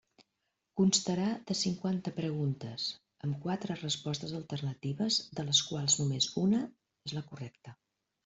Constarà de cinquanta preguntes amb quatre respostes alternatives de les quals només una és la correcta.